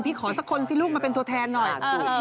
ขอสักคนสิลูกมาเป็นตัวแทนหน่อย